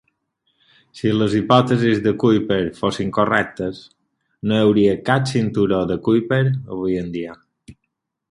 Si les hipòtesis de Kuiper fossin correctes, no hi hauria cap cinturó de Kuiper avui en dia.